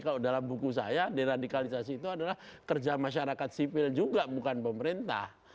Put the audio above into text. kalau dalam buku saya deradikalisasi itu adalah kerja masyarakat sipil juga bukan pemerintah